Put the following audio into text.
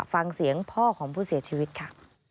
ฟังเสียงพ่อของผู้เสียชีวิตค่ะ